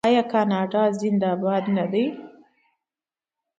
آیا کاناډا زنده باد نه دی؟